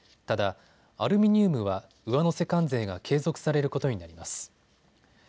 ただ、アルミニウムは上乗せ関税が継続されることになります。